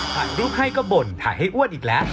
ถ่ายรูปให้ก็บ่นถ่ายให้อ้วนอีกแล้ว